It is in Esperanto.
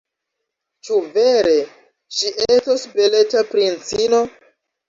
Ĉu ne vere, ŝi estos beleta princino?